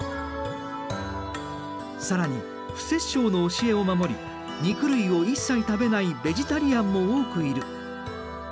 更に不殺生の教えを守り肉類を一切食べないベジタリアンも多くいる。